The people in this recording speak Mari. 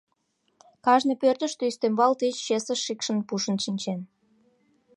Кажне пӧртыштӧ ӱстембал тич чесышт шикшын-пушын шинчен.